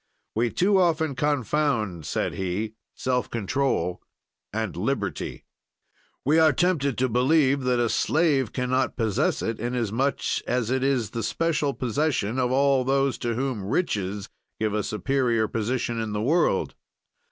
"We too often confound," said he, "self control and liberty. "We are tempted to believe that a slave can not possess it, inasmuch as it is the special possession of all those to whom riches give a superior position in the world.